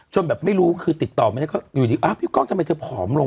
จนไม่รู้คือติดตอบมากจริงพี่ก้องทำไมเธอผอมลง